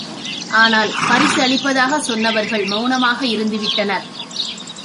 ஆனால், பரிசு அளிப்பதாகச் சொன்னவர்கள் மெளனமாக இருந்து விட்டனர்.